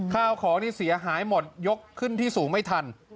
ข้าวของนี่เสียหายหมดยกขึ้นที่สูงไม่ทัน